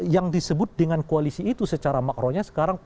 yang disebut dengan koalisi itu secara makronya sekarang